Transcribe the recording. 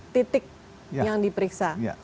delapan puluh lima titik yang diperiksa